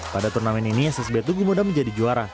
pada turnamen ini ssb tukimoda menjadi juara